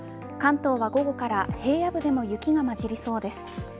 関東は午後から平野部でも雪がまじりそうです。